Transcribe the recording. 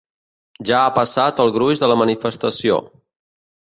Ja ha passat el gruix de la manifestació.